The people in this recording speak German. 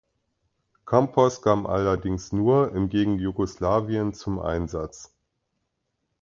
Campos kam allerdings nur im gegen Jugoslawien zum Einsatz.